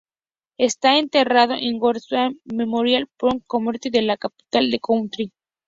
Está enterrado en el Woodlawn Memorial Park Cemetery de la capital del Country.